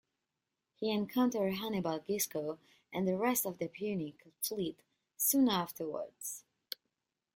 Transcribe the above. He encountered Hannibal Gisco and the rest of the Punic fleet soon afterwards.